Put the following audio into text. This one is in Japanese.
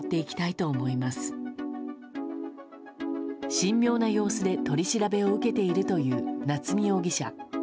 神妙な様子で取り調べを受けているという夏見容疑者。